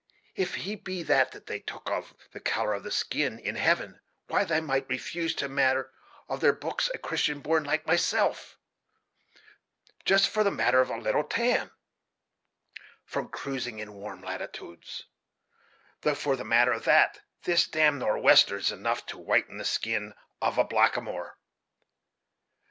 If so be that they took count of the color of the skin in heaven, why, they might refuse to muster on their books a Christian born, like myself, just for the matter of a little tan, from cruising in warm latitudes; though, for the matter of that, this damned norwester is enough to whiten the skin of a blackamore.